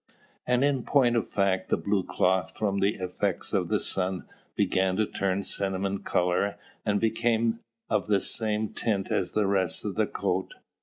And, in point of fact, the blue cloth, from the effects of the sun, began to turn cinnamon colour, and became of the same tint as the rest of the coat.